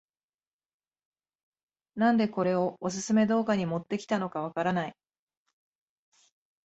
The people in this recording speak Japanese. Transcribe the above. なんでこれをオススメ動画に持ってきたのかわからない